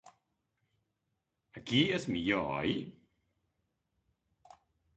Aquí és millor, oi?